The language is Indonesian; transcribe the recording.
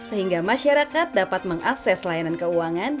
sehingga masyarakat dapat mengakses layanan keuangan